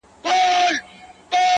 چي تلاوت وي ورته خاندي، موسيقۍ ته ژاړي،